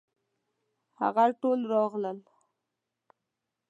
هغه ټول راغلل.